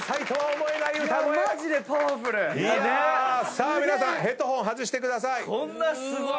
さあ皆さんヘッドホンを外してください。